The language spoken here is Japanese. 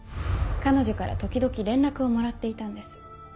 彼女から時々連絡をもらっていたんです。